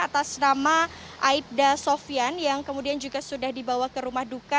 atas nama aibda sofian yang kemudian juga sudah dibawa ke rumah duka